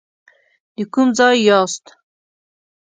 د کوم ځای یاست.